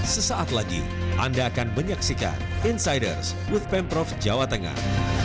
sesaat lagi anda akan menyaksikan insiders with pemprov jawa tengah